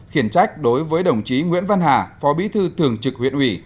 khiển trách đối với đồng chí nguyễn văn hà phó bí thư thường trực huyện ủy